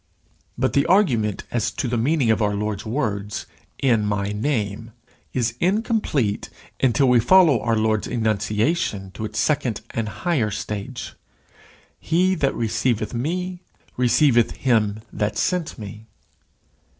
But the argument as to the meaning of our Lord's words, in my name, is incomplete, until we follow our Lord's enunciation to its second and higher stage: "He that receiveth me, receiveth him that sent me."